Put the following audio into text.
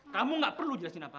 kamu gak perlu jelasin apa